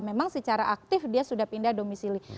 memang secara aktif dia sudah pindah domisili